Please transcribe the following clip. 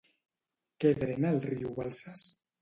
Què drena el riu Balsas?